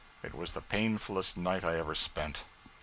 It was the painfullest night I ever spent.